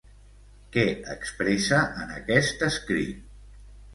Què expressa en aquest escrit?